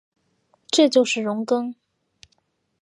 这就是容庚。